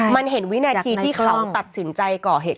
มันเห็นวินาทีที่เขาตัดสินใจก่อเหตุ